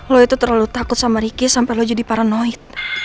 lo itu terlalu takut sama ricky sampai lo jadi paranoid